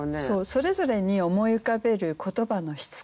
それぞれに思い浮かべる言葉の質感